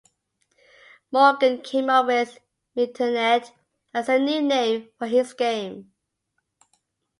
Morgan came up with "Mintonette" as the new name for his game.